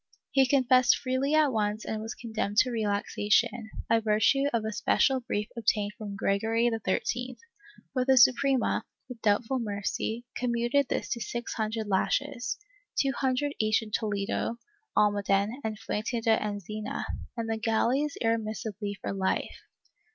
He confessed freely at once and was condemned to relaxation, by virtue of a special brief obtained from Gregory XIII, but the Suprema, with doubtful mercy, com muted this to six hundred lashes — two hundred each in Toledo, Almaden and Fuente de Enzina — and the galleys irremissibly for life.